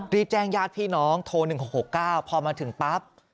รีบแจ้งญาติพี่น้องโทร๑๖๖๙พอมาถึงปั๊บ